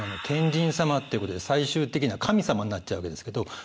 天神様っていうことで最終的には神様になっちゃうわけですけど。